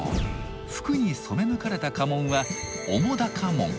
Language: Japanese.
服に染め抜かれた家紋は「沢瀉紋」。